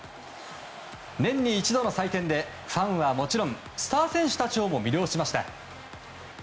年に一度の祭典でファンはもちろんスター選手たちをも魅了しました。